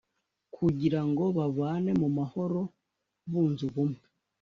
kugira ngo babane mu mahoro bunze ubumwe